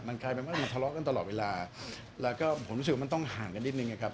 กลายเป็นว่ามันทะเลาะกันตลอดเวลาแล้วก็ผมรู้สึกว่ามันต้องห่างกันนิดนึงนะครับ